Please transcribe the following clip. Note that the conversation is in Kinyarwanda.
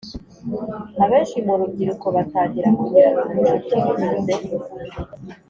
Abenshi Mu Rubyiruko Batangira Kugirana Ubucuti Binyuze